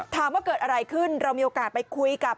ถามว่าเกิดอะไรขึ้นเรามีโอกาสไปคุยกับ